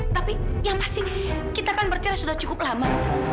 tapi yang pasti kita kan berkira sudah cukup lama